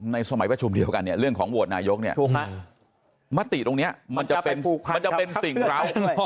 ในสมัยประชุมเดียวกันเรื่องของโหวดนายกมติตรงนี้มันจะเป็นสิ่งร้าว